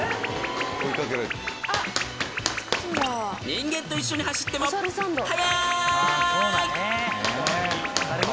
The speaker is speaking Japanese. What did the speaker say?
［人間と一緒に走ってもはやい！］